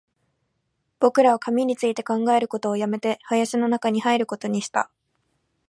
僕らは紙について考えることを止めて、林の中に入ることにした